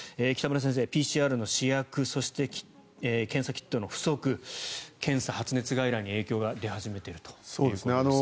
北村先生、ＰＣＲの試薬そして検査キットの不足検査、発熱外来に影響が出始めていると。